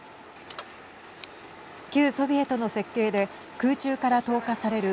旧ソビエトの設計で空中から投下される